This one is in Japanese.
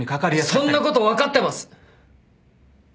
そんなこと分かってます！